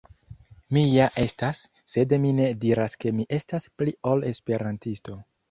Mi ja estas, sed mi ne diras ke mi estas pli ol Esperantisto.